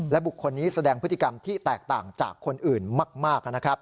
บุคคลนี้แสดงพฤติกรรมที่แตกต่างจากคนอื่นมาก